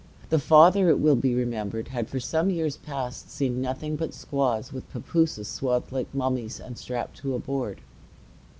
The Father, it will be remembered, had for some years past seen nothing but squaws, with papooses swathed like mummies and strapped to a board.